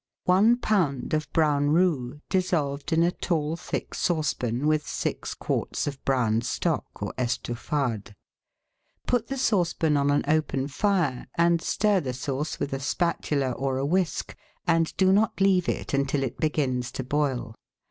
— One lb. of brown roux dissolved in a tall, thick saucepan with six quarts of brown stock or estouffade. Put the saucepan on an open fire, and stir the sauce with a spatula or a whisk, and do not leave it until it begins to boil.